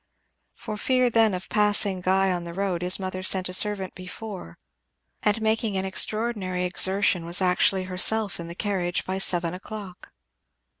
For fear then of passing Guy on the road his mother sent a servant before, and making an extraordinary exertion was actually herself in the carriage by seven o'clock.